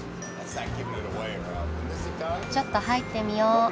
ちょっと入ってみよう。